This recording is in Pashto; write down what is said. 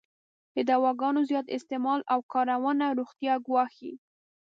د دواګانو زیات استعمال او کارونه روغتیا ګواښی.